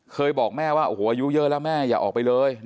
บอกแม่ว่าโอ้โหอายุเยอะแล้วแม่อย่าออกไปเลย